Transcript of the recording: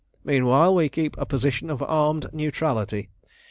Meanwhile we keep a position of armed neutrality.